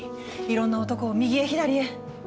いろんな男を右へ左へ。